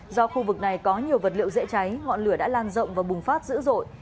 do khu vực này có nhiều vật liệu dễ cháy ngọn lửa đã lan rộng và bùng phát dữ dội